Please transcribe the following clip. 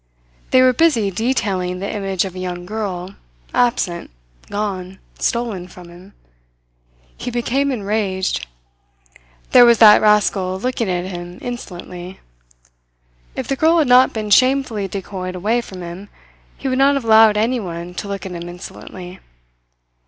They were busy detailing the image of a young girl absent gone stolen from him. He became enraged. There was that rascal looking at him insolently. If the girl had not been shamefully decoyed away from him, he would not have allowed anyone to look at him insolently.